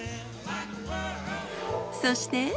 そして。